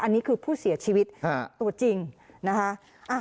อันนี้คือผู้เสียชีวิตตัวจริงนะคะ